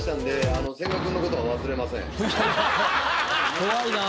怖いな。